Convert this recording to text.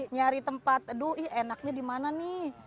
nyari tempat aduh enaknya dimana nih